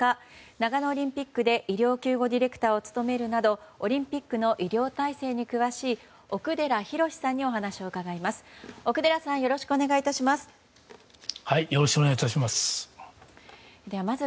長野オリンピックで医療救護ディレクターを務めるなどオリンピックの医療体制に詳しい奥寺敬さんにお話を伺います。